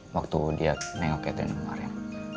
waktu dia nengok itu kemarin